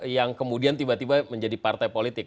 yang kemudian tiba tiba menjadi partai politik